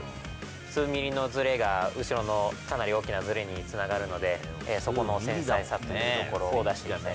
数ミリのずれが、後ろのかなり大きなずれにつながるので、そこの繊細さというところを出していきたい。